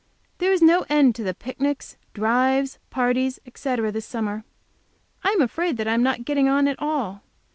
There is no end to the picnics, drives, parties, etc., this summer. I am afraid I am not getting on at all.